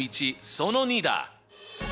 その２だ！